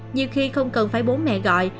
nhiều khi không cần phải bố mẹ gọi